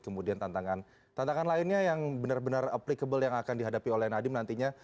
kemudian tantangan lainnya yang benar benar applicable yang akan dihadapi oleh nadiem nantinya